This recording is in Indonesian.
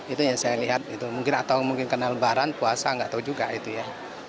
itu yang saya lihat itu mungkin atau mungkin karena lebaran puasa nggak tahu juga itu ya